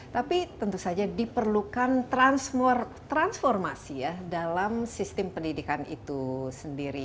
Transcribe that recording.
tapi tentu saja diperlukan transformasi ya dalam sistem pendidikan itu sendiri